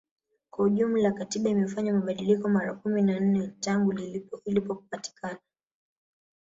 Kwa ujumla Katiba imefanyiwa mabadiliko mara kumi na nne tangu ilipopatikana